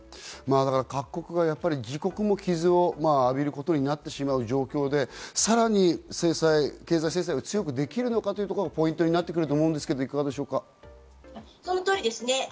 だから各国は自国も傷を浴びることになってしまう状況で、さらに経済制裁を強くできるのかというところがポイントになってくるとその通りですね。